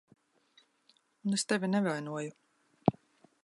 Un es tevi nevainoju.